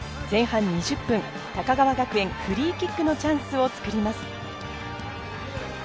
前半２０分、高川学園、フリーキックのチャンスをつくります。